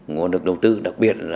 nguồn lực đầu tư đặc biệt